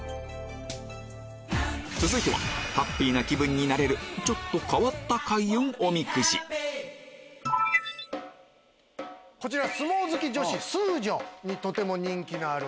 続いてはハッピーな気分になれるちょっと変わったこちら相撲好き女子スー女にとても人気のある。